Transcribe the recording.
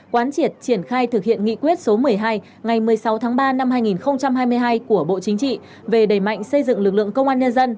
quán triệt triển khai thực hiện nghị quyết số một mươi hai ngày một mươi sáu tháng ba năm hai nghìn hai mươi hai của bộ chính trị về đẩy mạnh xây dựng lực lượng công an nhân dân